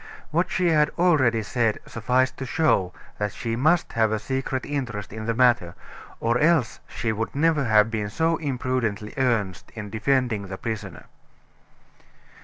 What she had already said sufficed to show that she must have a secret interest in the matter, or else she would never have been so imprudently earnest in defending the prisoner.